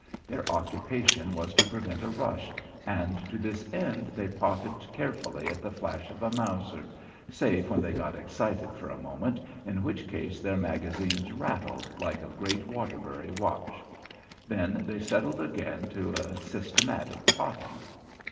Their occupation was to prevent a rush, and to this end they potted carefully at the flash of a Mauser save when they got excited for a moment, in which case their magazines rattled like a great Waterbury watch. Then they settled again to a systematic potting.